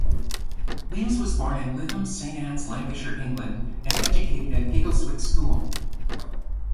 Leese was born in Lytham Saint Annes, Lancashire, England and educated at Giggleswick School.